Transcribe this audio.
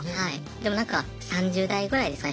でもなんか３０代ぐらいですかね